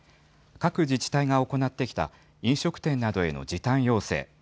各自治体が行ってきた、飲食店などへの時短要請。